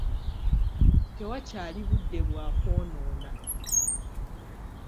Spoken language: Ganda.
Tewakyali budde bwakwonoona.